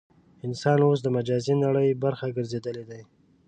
انسان اوس د مجازي نړۍ برخه ګرځېدلی دی.